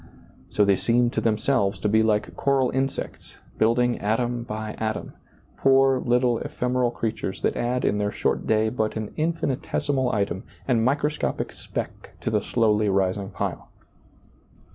So they seem to themselves to be like coral insects, building atom by atom, poor little ephemeral creatures that add in their short day but an infinitesimal item and microscopic speck to the slowly rising pile.